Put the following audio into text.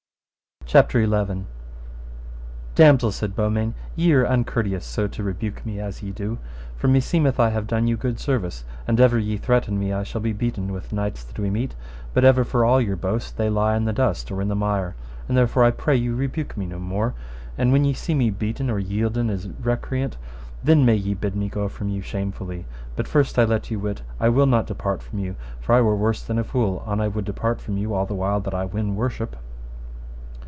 CHAPTER XI. How Sir Beaumains suffered great rebukes of the damosel, and he suffered it patiently. Damosel, said Beaumains, ye are uncourteous so to rebuke me as ye do, for meseemeth I have done you good service, and ever ye threaten me I shall be beaten with knights that we meet, but ever for all your boast they lie in the dust or in the mire, and therefore I pray you rebuke me no more; and when ye see me beaten or yielden as recreant, then may ye bid me go from you shamefully; but first I let you wit I will not depart from you, for I were worse than a fool an I would depart from you all the while that I win worship.